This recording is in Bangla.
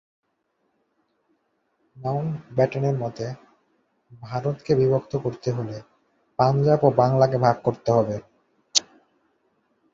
মাউন্টব্যাটেনের মতে, ভারতকে বিভক্ত করতে হলে পাঞ্জাব ও বাংলাকে ভাগ করতে হবে।